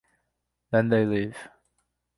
They then leave.